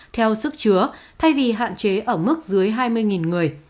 theo sức chứa thay vì hạn chế ở mức dưới hai mươi người